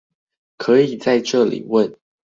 可以在這裡問